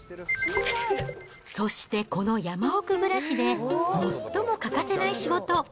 そしてこの山奥暮らしで、最も欠かせない仕事。